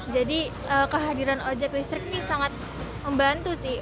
jadi kehadiran ojek listrik ini sangat membantu sih